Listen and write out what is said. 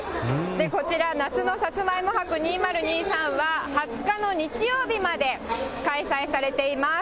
こちら、夏のさつまいも博２０２３は２０日の日曜日まで開催されています。